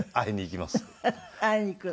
会いに行くの？